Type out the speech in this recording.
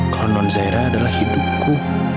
kalau nonzairah adalah hidupku